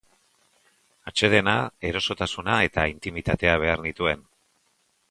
Atsedena, erosotasuna eta intimitatea behar nituen.